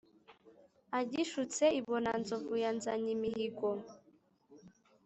agishutse i bonanzovu ya nzanyimihigo.